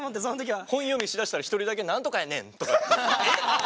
本読みしだしたら１人だけ「やねん！」とか。